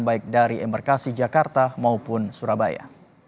baik dari embarkasi jakarta maupun surabaya